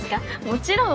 もちろん！